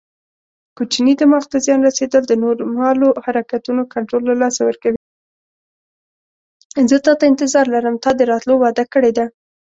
زه تاته انتظار لرم تا د راتلو وعده کړې ده.